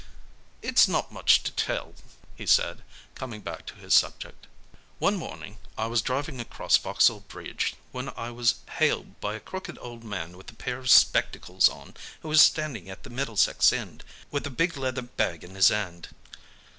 "It's not much to tell," he said, coming back to his subject. "One morning I was driving across Vauxhall Bridge when I was hailed by a crooked old man with a pair of spectacles on, who was standing at the Middlesex end, with a big leather bag in his hand.